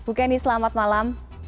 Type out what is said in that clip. bu kenny selamat malam